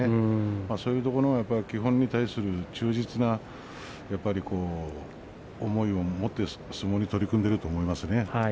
そういうところ基本に対する忠実な思いを持って相撲に取り組んでいると思いますね。